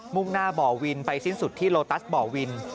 ่งหน้าบ่อวินไปสิ้นสุดที่โลตัสบ่อวิน